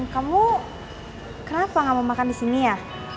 kamu kenapa gak mau makan disini ya